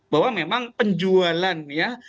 bahwa memang penjualan ya